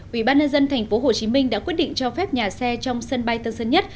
ubnd tp hcm đã quyết định cho phép nhà xe trong sân bay tân sân nhất